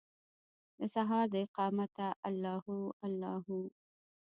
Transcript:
دسهار داقامته الله هو، الله هو